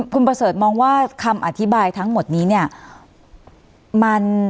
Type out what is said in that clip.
คุณประเสริฐมองว่าคำอธิบายทั้งหมดนี้เนี่ย